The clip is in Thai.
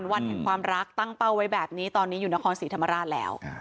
วันแห่งความรักตั้งเป้าไว้แบบนี้ตอนนี้อยู่นครศรีธรรมราชแล้ว